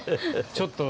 ちょっと。